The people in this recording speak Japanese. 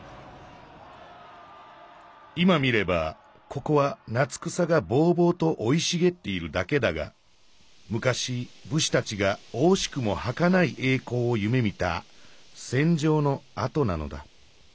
今見ればここは夏草がボウボウとおいしげっているだけだがむかしぶしたちがおおしくもはかない栄光を夢みたせん場の跡なのだ。